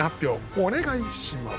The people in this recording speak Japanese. お願いします。